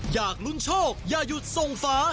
อยากลุ้นโชคอย่าหยุดส่งฝา